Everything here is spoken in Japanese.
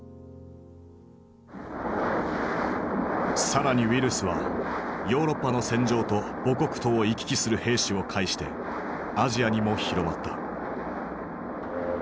更にウイルスはヨーロッパの戦場と母国とを行き来する兵士を介してアジアにも広まった。